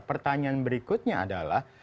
pertanyaan berikutnya adalah